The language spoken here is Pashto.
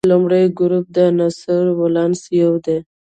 د لومړي ګروپ د عنصرونو ولانس یو دی.